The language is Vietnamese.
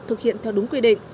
thực hiện theo đúng quy định